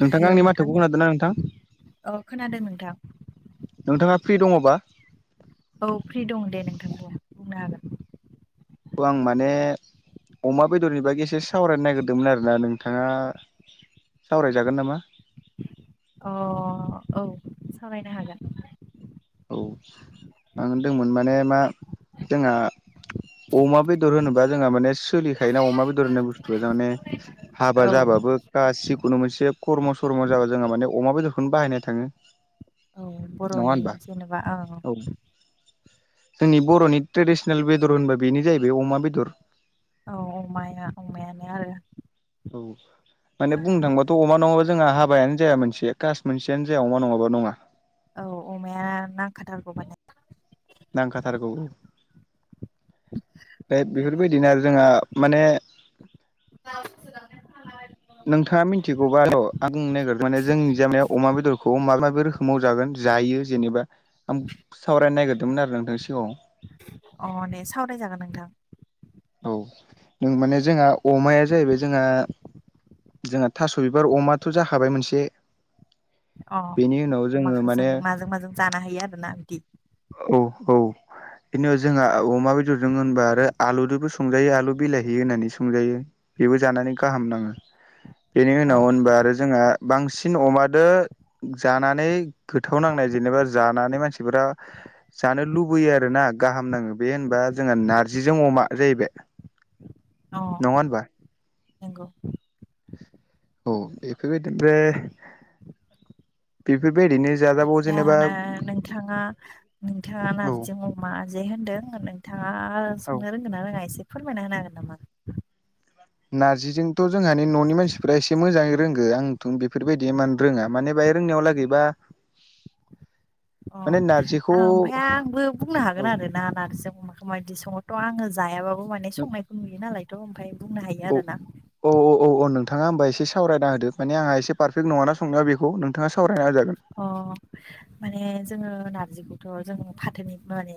नोंथाङा हेलौ आंनि नोंथां माथोखौ खोनादोंना नोंथां अ खोनादों नोंथां। नोंथाङा फ्रि दङबा? औ फ्रि दं दे नोंथां बुं बुंनो हागोन। अ आं माने अमा बेदरनि बागै एसे सावरायनो नागिरदोंमोन आरोना नोंथाङा सावरायजागोन नामा? अ औ सावरायनो हागोन नोंथां औ आं होनदोंमोन माने मा जोङा अमा बेदर होनोबा जोंहा माने सोलिखायोना अमा बेदर होननाय बुस्थुआ जा माने हाबा औ जाबाबो गास जिखुनु मोनसे खर्म' सरम' जाबा जोंहा माने अमा बेदरखौनो बाहायनाय थाङो। उम नङा बर'नि होनबा जेनेबा औ औ जोंनि बर'नि ट्रेडिसेनेल बेदर होनबा बेनो जाहैबाय अमा बेदर। औ अमायना अमायानो आरो। औ। माने बुंनो थांबाथ' अमा नङाबा जोंहा हाबायानो जाया मोनसे कास मोनसेयानो जाया अमा नङाबा नङा? औ अमाया नांखाथारगौ माने। नांखाथारगौ बे ओमफ्राय बिफोरबायदिनो आरो जोंहा माने [unintelligible] नोंथाङा मिथिगौबा र' आं नागिर माने जोंनि जा माने अमा बेदरखौ माबा माबिक रोख माव जागोन जायो जेनेबा आं सावरायनो नागिरदोंमोन आरो नोंथां सिगाङाव। अ दे सावराय जागोन नोंथां। औ नों माने जोंहा अमाया जाहैबाय जोङा जोंहा थास' बिबार अमाथ' जाखाबाय मोनसे। अ बिनि उनाव जोङो अमाखौ जों माने माजों माजों जानो हायो आरोना बिदिग। औ औ। बिनि उनाव जोङा अमा बेदरजों होनबा आरो आलुदोबो संजायो आलु बिलाइहि होननानै संजायो। बेबो जानानै गाहाम नाङो। बेनि औ उनाव होनबा आरो जोंहा बांसिन अमादो जानानै गोथाव नांनाय जेनेबा जानानै मानसिफोरा जानो लुबैयो आरो ना गाहाम नाङो बे होनबा जोंहा नारजिजों अमा जाहैबाय। नङा होनबा? नोंगौ। औ बिफोरबायदि बे् बेफोरबायदिनो जाजाबावो। जेनेबा दाना नोंथाङा नोंथाङा औ नारजिजों अ माजे होनदों नोंथाङा संनो रोंगोन ना रोङा एसे फोरमायना होनो हागोन नामा? नारजिजोंथ' जोंहानि न'नि मानसिफ्रा एसे मोजाङै रोंगो आंथ' बेफोरबायदि एमान रोङा माने बाहाय रोंनायाव लागैबा अ माने नारजिखौ ओमफ्राय आंबो बुंनो औ हागोन आरोना नार्जिजों अमाखौ मायदि सङो थ' आङो जायाबाबो आव माने औ संनायखौ नुयो नालायथ' ओमफ्राय बुंनो हायो आरो ना। औ औ औ अ नोंथाङा होमबा एसे सावरायना होदो माने आंहा एसे पारफेक्ट नङा ना संनायाव बेखौ नोंथाङा सावरायना होजागोन। अ माने जोङो नार्जिखौथ' जों फाथोनि माने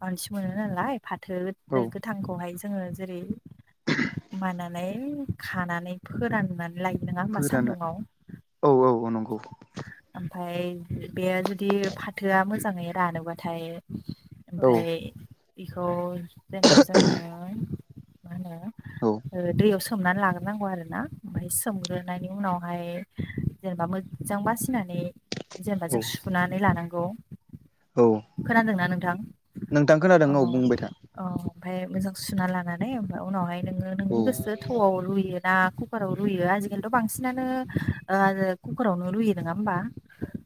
बांसिन मोनो नालाय फाथो औ [unintelligible] गोथांखौहाय जोङो जेरै मानानै खानानै फोराननानै लायो। नङा होमबा फोरानो सान्दुङाव औ औ औ नंगौ। ओमफाय बे जुदि फाथोआ मोजाङै रानोबाथाय औ ओमफाय इखौ जेनेबा जोङो मा होनो औ ओ दैयाव सोम सोमनानै लाग्रोनांगौ आरोना ओमफ्राय सोमग्रोनायनि उनावहाय जेनेबा मोजां बासि ग्रोनानै जेनेबा जों औ सुनानै लानांगौ औ खोनादोंना नोंथां नोंथां खोनादों अ औ बुंबाय था अ ओमफाय मोजां सुना लानानै ओमफाय उनावहाय नोङो औ नोंनि गोसो थौआव रुयो ना कुकाराव रुयो आजिखालिथ' बांसिनानो ओ कुकार आवनो रुयो नङा होमबा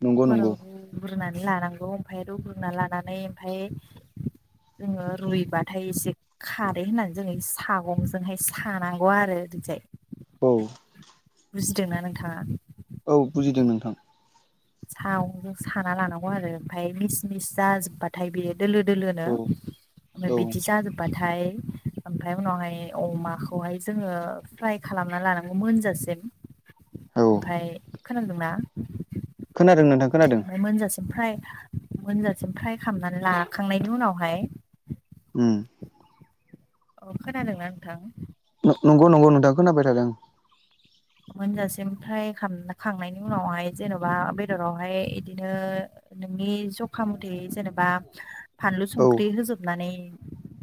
नंगौ नंगौ कुकाराव रुग्रोनानै लानांगौ ओमफ्राय रुग्रोना लानानै ओमफाय जोङो रुइबाथाय एसे खारै होननानै जोङो सागंजोंहाय सानांगौ आरो ओरैजाय औ बुजिदोंना नोंथाङा? औ बुजिदों नोंथां। सागंजों साना लानांगौ आरो ओमफ्राय मिस मिस जाजोब्बाथाय बियो दोलो दोलोनो औ ओमफाय औ बिदि जाजोब बाथाय ओमफ्राय उनावहाय अमाखौहाय जोङो फ्राय खालामना लानांगौ मोनजासिम औ ओमफाय खोनादोंना खोनादों नोंथां खोनादों ओमफ्राय मोनजासिम फ्राय मोनजासिम फ्राय खालामनानै लाखांनायनि उनावहाय उ अ खोनादोंना नोंथां? नं-नंगौ नंगौ नोंथां खोनायबाय थादों। मोनजासिम फ्राइ खाम खांनायनि उनावहाय जेन'बा बेदरावहाय इदिनो नोंनि जखा मथै जेनेबा फानलु, औ संख्रि होजोबनानै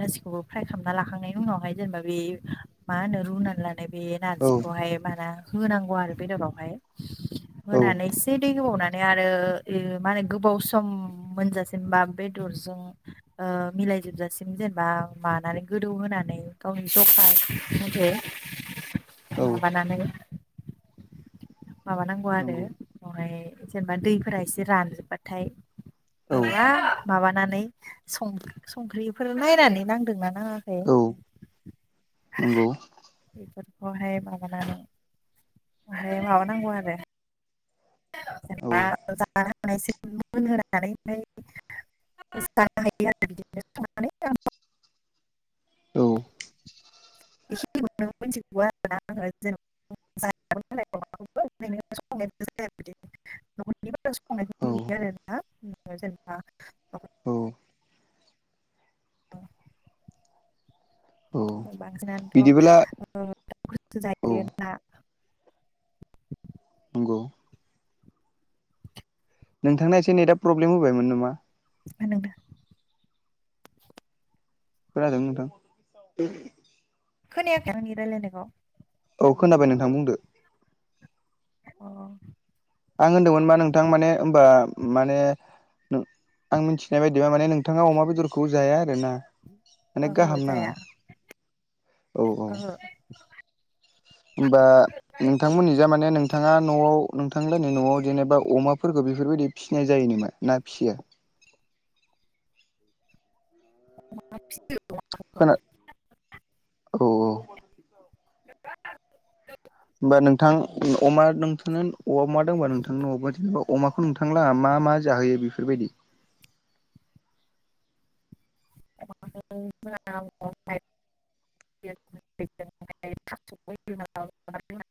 गासिखौबो फ्राय खालामना लाखांनायनि उनावहाय जेनेबा बे मा होनो रुना ला नाय बे औ नार्जिखौहाय मा होनांगौ आरो बेदाबावहाय औ होनानै एसे दै होबावनानै आरो ओ मा‌होनो गोबाव सम मोनजासिम बा बेदरजों ओ मिलाय जोबजासिम जेनेबा मानानै गोदौ होनोनानै गावनि जखा मथे औ माबानानै माबानांगौ आरो नंगौ ओमफाय जेनेबा दैफोरा एसे रानजोब्बाथाय औ माबानानै सं-संख्रिफोर नायनानै नांदों ना ङाखै औ नंगौ बेफोर खौहाय माबानानै बेहाय माबानांगौ आरो औ जेनेबा ओ [inaudible] औ [inaudible] [inaudible] संनायखौ नुयो औ आरोना जेनेबा औ [unintelligible] बांसिनानोथ' बिदिबोला औ उम खस्थ जाहैयोना। नंगौ नोंथांना एसे नेटआ प्रब्लेम होबायमोन नामा ओ नोंथां। खोनादों नोंथां। खोनायाखै आंनि रायलायनायखौ औ खोनाबाय नोंथां बुंदो। अ आं होन्दोंमोन मा नोंथां माने होमबा माने नों आं मिनथिनाय बायदिबा माने नोंथाङा अमा बेदरखौ जाया आरो ना माने ओहो गाहाम नाङा जाया औ औ ओहो होमबा नोंथांमोननि जा माने नोंथाङा न'आव नोंथांलाहानि न'आव जेनेबा अमाफोरखो बेफोरबायदि फिसिनाय जायो? ना फियो। औ ना फियो। खोना औ औ [inaudible] होबा नोंथां अमा नोंथाङा अमा दंबा नोंथांनाव अमाखौ खौ नोंथांलाहा मा मा जाहोयो बेफोरबायदि? [unintelligible] बे थास' [unintelligible]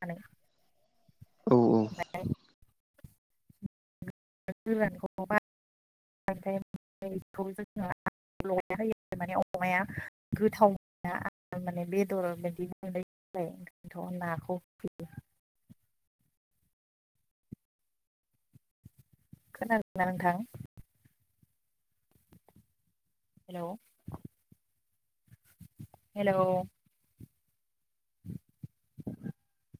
औ औ [unintelligible] गोरानखौ जोंना लगायना होयोबा माने अमाया गोथाव दा आं माने बेदर बायदि मोनबाय नालाय ओंखायनोथ' नाखौ होयो। खोनादोंना नोंथां? Hello hello [inaudible]